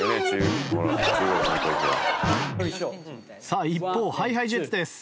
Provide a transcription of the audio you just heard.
さあ一方ＨｉＨｉＪｅｔｓです。